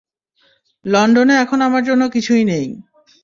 লন্ডনে এখন আমার জন্য কিছুই নেই।